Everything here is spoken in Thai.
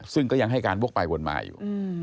ซึ่งก็ยังให้การวกไปวนมาอยู่